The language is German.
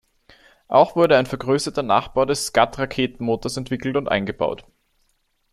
Auch wurde ein vergrößerter Nachbau des Scud-Raketenmotors entwickelt und eingebaut.